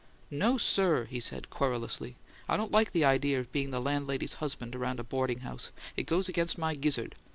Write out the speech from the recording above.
"No, sir!" he said, querulously. "I don't like the idea of being the landlady's husband around a boarding house; it goes against my gizzard.